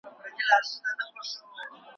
دین انسان ته د عقیدې ازادي ورکوي.